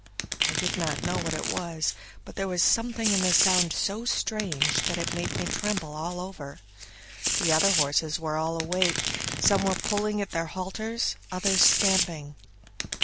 I did not know what it was, but there was something in the sound so strange that it made me tremble all over. The other horses were all awake; some were pulling at their halters, others stamping.